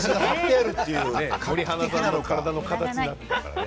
森花さんの体の形になってたからね。